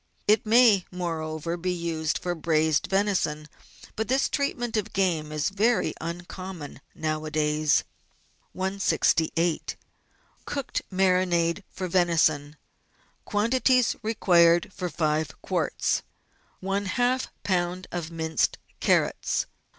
It may, moreover, be used for braised venison, but this treatment of game is very uncommon nowadays. 168— COOKED MARINADE FOR VENISON Quantities Required for Five Quarts. ^ lb. of minced carrots.